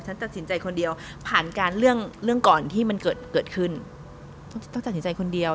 ฉันตัดสินใจคนเดียวผ่านการเรื่องเรื่องก่อนที่มันเกิดขึ้นต้องตัดสินใจคนเดียว